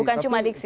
bukan cuma diksi